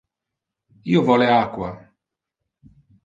Io vole aqua.